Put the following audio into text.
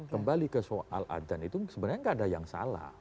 kembali ke soal adan itu sebenarnya nggak ada yang salah